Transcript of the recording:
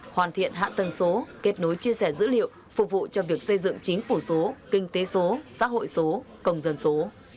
hoàn thiện hạ tầng số kết nối chia sẻ dữ liệu phục vụ cho việc xây dựng chính phủ số kinh tế số xã hội số công dân số